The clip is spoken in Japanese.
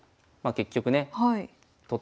結局ね取っても。